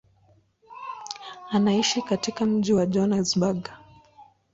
Anaishi katika mji wa Johannesburg.